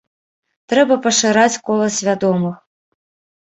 Трэба пашыраць кола свядомых!